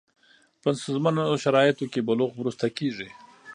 په ستونزمنو شرایطو کې بلوغ وروسته کېږي.